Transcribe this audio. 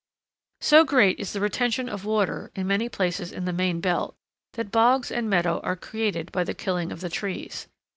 So great is the retention of water in many places in the main belt, that bogs and meadows are created by the killing of the trees.